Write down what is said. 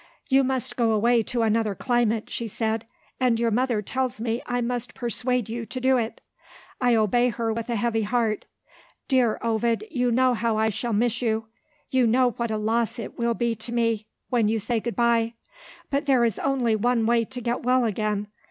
"You must go away to another climate," she said; "and your mother tells me I must persuade you to do it. I obey her with a heavy heart. Dear Ovid, you know how I shall miss you; you know what a loss it will be to me, when you say good bye but there is only one way to get well again.